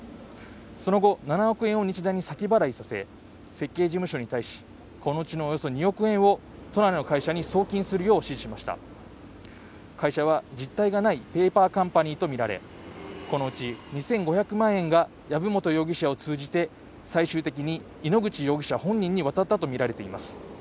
その後７億円を日前に先払いさせ設計事務所に対しこのうちのおよそ２億円を都内の会社に送金するよう指示しました会社は実体がないペーパーカンパニーと見られこのうち２５００万円が藪本容疑者を通じて最終的に井ノ口容疑者本人に渡ったと見られています